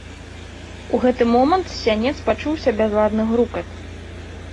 У гэты момант з сянец пачуўся бязладны грукат.